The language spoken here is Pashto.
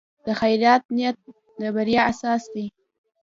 د خیر نیت د بریا اساس دی.